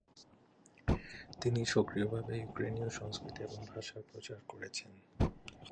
তিনি সক্রিয়ভাবে ইউক্রেনীয় সংস্কৃতি এবং ভাষার প্রচার করেছেন।